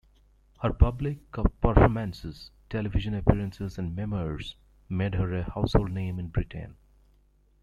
Her public performances, television appearances and memoirs made her a household name in Britain.